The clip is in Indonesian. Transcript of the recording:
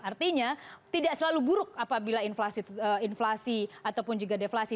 artinya tidak selalu buruk apabila inflasi ataupun juga deflasi